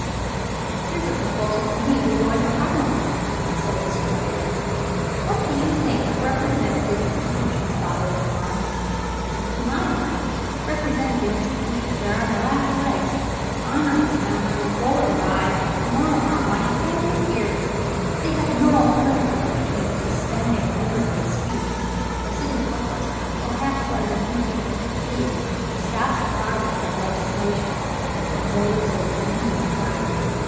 "Here's a proposal to me to go into Parliament," said the Squire. "What do you think of representative institutions, Father Benwell? To my mind, representative institutions are on their last legs. Honorable Members vote away more of our money every year. They have no alternative between suspending liberty of speech, or sitting helpless while half a dozen impudent idiots stop the progress of legislation from motives of the meanest kind.